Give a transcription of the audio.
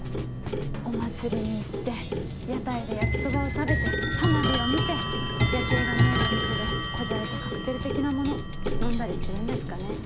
お祭りに行って屋台で焼きそばを食べて花火を見て夜景が見えるお店で小じゃれたカクテル的なもの飲んだりするんですかね。